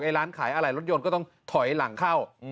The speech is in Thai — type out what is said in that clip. ร้านขายอะไหล่รถยนต์ก็ต้องถอยหลังเข้า